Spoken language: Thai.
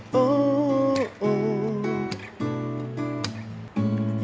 ขอบคุณค่ะ